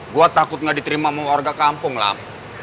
gua takut gak diterima sama warga kampung lam